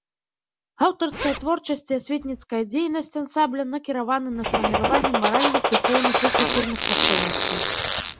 Аўтарская творчасць і асветніцкая дзейнасць ансамбля накіраваны на фарміраванне маральных, духоўных і культурных каштоўнасцей.